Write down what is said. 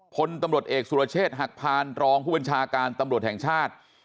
พลตำรวจเอกสุรเชษฐ์หักพานรองผู้บัญชาการตำรวจแห่งชาติ